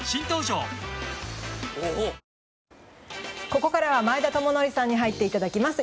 ここからは前田智徳さんに入っていただきます。